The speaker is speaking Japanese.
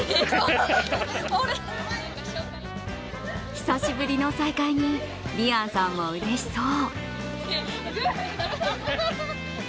久しぶりの再会に莉杏さんもうれしそう。